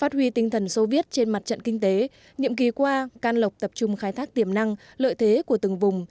cần xô viết trên mặt trận kinh tế nhiệm kỳ qua can lộc tập trung khai thác tiềm năng lợi thế của từng vùng